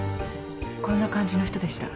こんな感じの人でした。